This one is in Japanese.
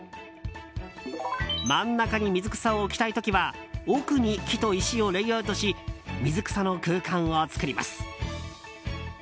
真ん中に水草を置きたい時は奥に木と石をレイアウトし水草の空間を作ります。